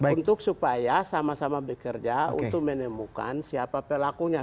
untuk supaya sama sama bekerja untuk menemukan siapa pelakunya